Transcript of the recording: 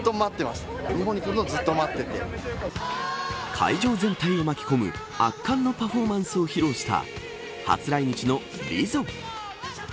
会場全体を巻き込む圧巻のパフォーマンスを披露した初来日のＬＩＺＺＯ。